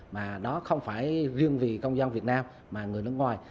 mà đó không phải riêng vì công dân việt nam mà người nước ngoài